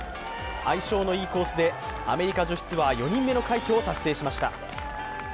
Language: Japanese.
相性の良いコースでアメリカ女子ツアー４人目の快挙を達成しました。